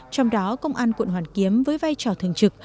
trong đó công an quận hoàn kiếm với vai trò thường trực